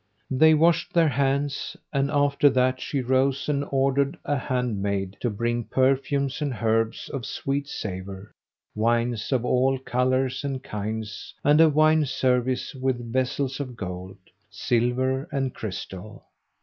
They washed their hands and after that she rose and ordered a handmaid to bring perfumes and herbs of sweet savour, wines of all colours and kinds and a wine service with vessels of gold, silver and crystal.